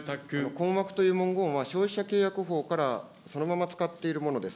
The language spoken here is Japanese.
困惑という文言は消費者契約法からそのまま使っているものです。